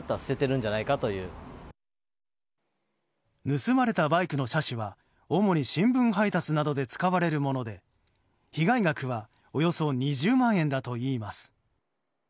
盗まれたバイクの車種は、主に新聞配達などに使われるもので被害額はおよそ２０万円だといいます。